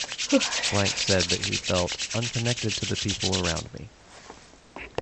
Blank said that he felt "unconnected to the people around me".